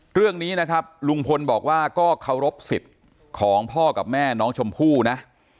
เรื่องนี้นะครับลุงพลบอกว่าก็เคารพสิทธิ์ของพ่อกับแม่น้องชมพู่นะ